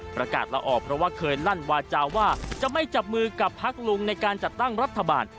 ประกาศละออกเพราะว่าเคยลั่นวาจาว่าจะไม่จับมือกับพักลุงในการจัดตั้งรัฐบาล